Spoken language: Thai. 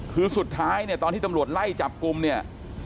คือสุดท้ายเนี่ยตอนที่ตำรวจไล่จับกลุ่มเนี่ย